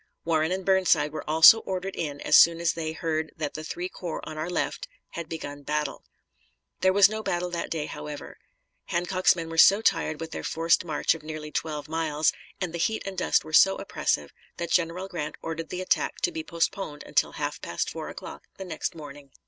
Warren and Burnside were also ordered in as soon as they heard that the three corps on our left had begun battle. There was no battle that day, however. Hancock's men were so tired with their forced march of nearly twelve miles, and the heat and dust were so oppressive, that General Grant ordered the attack to be postponed until half past four o'clock the next morning.